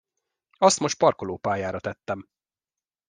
Azt most parkolópályára tettem.